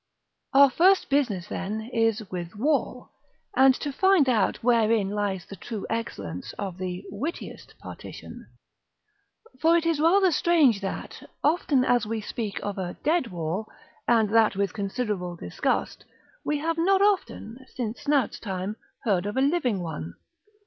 Our first business, then, is with Wall, and to find out wherein lies the true excellence of the "Wittiest Partition." For it is rather strange that, often as we speak of a "dead" wall, and that with considerable disgust, we have not often, since Snout's time, heard of a living one.